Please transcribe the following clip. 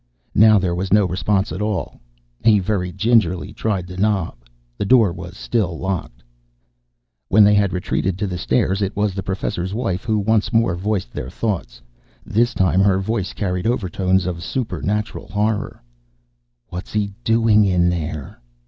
Now there was no response at all. He very gingerly tried the knob. The door was still locked. When they had retreated to the stairs, it was the Professor's Wife who once more voiced their thoughts. This time her voice carried overtones of supernatural horror. "_What's he doing in there?